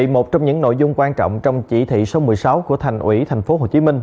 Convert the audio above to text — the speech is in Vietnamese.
một trong những nội dung quan trọng trong chỉ thị số một mươi sáu của thành ủy thành phố hồ chí minh